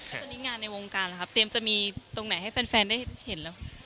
แล้วตอนนี้งานในวงการล่ะครับเตรียมจะมีตรงไหนให้แฟนได้เห็นแล้ว